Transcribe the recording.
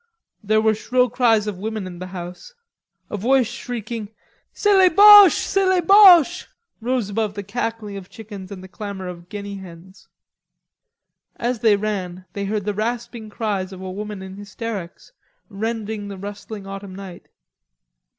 There were shrill cries of women in the house. A voice shrieking, "C'est les Boches, C'est les Boches," rose above the cackling of chickens and the clamor of guinea hens. As they ran, they heard the rasping cries of a woman in hysterics, rending the rustling autumn night.